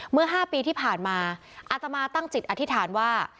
เมื่อ๕ปีที่ผ่านมาอาตมาตั้งจิตอธิษฐานว่า